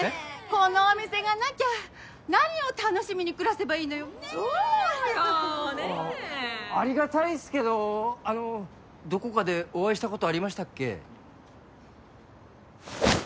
このお店がなきゃ何を楽しみに暮らせばいいのよねえそうよねえありがたいっすけどあのどこかでお会いしたことありましたっけ？